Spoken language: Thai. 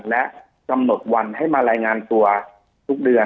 และกำหนดวันให้มารายงานตัวทุกเดือน